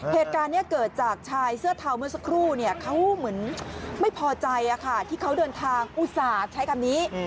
เหตุการณ์นี้เกิดจากชายเสื้อเทาเมื่อสักครู่เขาเหมือนไม่พอใจที่เขาเดินทางอุตส่าห์ใช้คำนี้